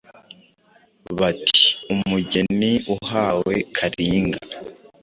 Bati :umugeni uhawe Kalinga